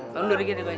lo undur dikit ya gue